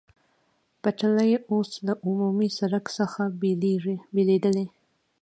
پټلۍ اوس له عمومي سړک څخه بېلېدل.